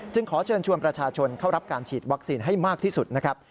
ขอเชิญชวนประชาชนเข้ารับการฉีดวัคซีนให้มากที่สุดนะครับ